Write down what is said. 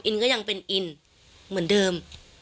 ก็ยังเป็นอินเหมือนเดิม